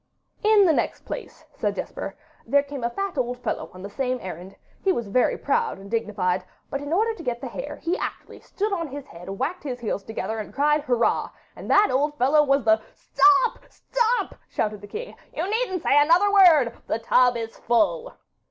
'In the next place,' said Jesper, 'there came a fat old fellow on the same errand. He was very proud and dignified, but in order to get the hare he actually stood on his head, whacked his heels together, and cried "Hurrah"; and that old fellow was the ' 'Stop, stop,' shouted the king; 'you needn't say another word; the tub is full.